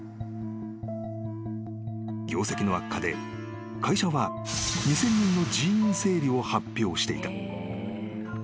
［業績の悪化で会社は２，０００人の人員整理を発表していた］